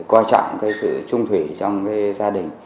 coi trọng cái sự trung thủy trong cái gia đình